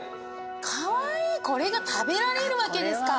カワイイこれが食べられるわけですか。